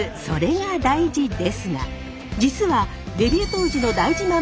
「それが大事」ですが実はデビュー当時の大事ＭＡＮ